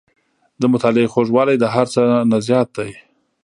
• د مطالعې خوږوالی د هر څه نه زیات دی.